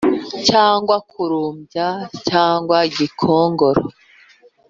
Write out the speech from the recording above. cyangwa kurumbya cyangwa gikongoro